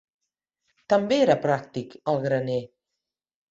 També era pràctic el graner.